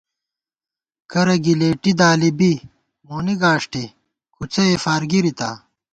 کرہ گِلېٹی دالی بی مونی گاݭٹے کُوڅہ ئےفار گِرِتا